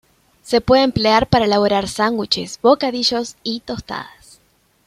Se puede emplear para elaborar sándwiches, bocadillos y tostadas.